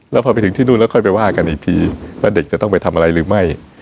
แล้วพอไปถึงที่นู่นแล้วค่อยไปว่ากันอีกทีว่าเด็กจะต้องไปทำอะไรหรือไม่